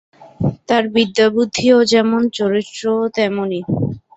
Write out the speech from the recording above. তাঁর বিদ্যাবুদ্ধিও যেমন চরিত্রও তেমনি।